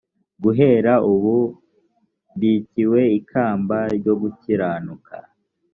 guhera ubu mbikiwe ikamba ryo gukiranuka